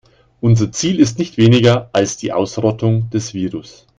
Unser Ziel ist nicht weniger als die Ausrottung des Virus.